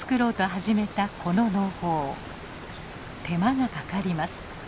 手間がかかります。